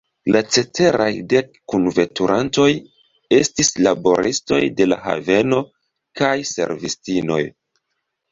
La ceteraj dek kunveturantoj estis laboristoj de la haveno kaj servistinoj.